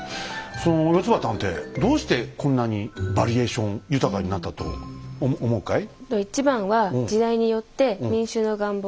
そのよつば探偵どうしてこんなにバリエーション豊かになったと思うかい？